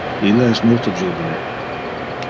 Ille es multo juvene.